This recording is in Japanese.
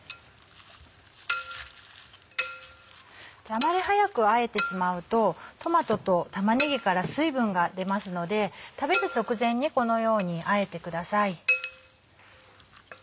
あまり早くあえてしまうとトマトと玉ねぎから水分が出ますので食べる直前にこのようにあえてください。